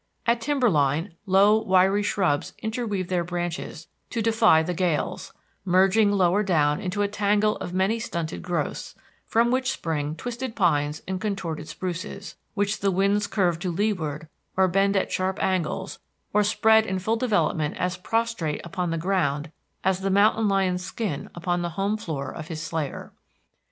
At timber line, low, wiry shrubs interweave their branches to defy the gales, merging lower down into a tangle of many stunted growths, from which spring twisted pines and contorted spruces, which the winds curve to leeward or bend at sharp angles, or spread in full development as prostrate upon the ground as the mountain lion's skin upon the home floor of his slayer.